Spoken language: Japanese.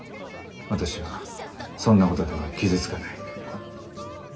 私はそんなことでは傷つかない。